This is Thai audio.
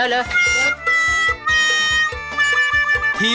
สวัสดีค่ะ